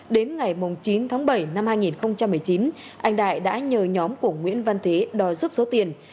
đến ngày chín tháng bảy năm hai nghìn một mươi chín anh đại đã nhờ nhóm của nguyễn văn thế đòi giúp số tiền